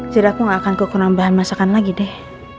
jadi aku gak akan kekurang bahan masakan lagi deh